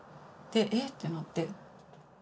で「えっ？」ってなって。